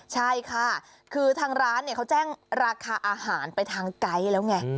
ใช่ค่ะคือทางร้านเขาแจ้งราคาอาหารไปทางไกด์แล้วไง